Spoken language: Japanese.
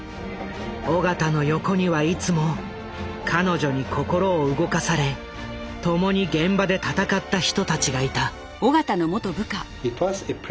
緒方の横にはいつも彼女に心を動かされ共に現場で闘った人たちがいた。